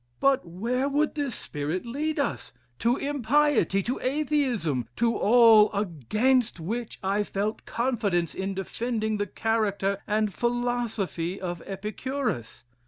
"But where would this spirit lead us! To impiety! to Atheism! to all, against which I felt confidence in defending the character and philosophy of Epicurus!"